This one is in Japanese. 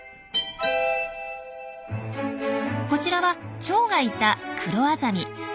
こちらはチョウがいたクロアザミ。